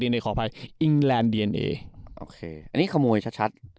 ดีเอนเอขออภัยอิงแรนด์ดีเอนเอโอเคอันนี้ขโมยชัดชัด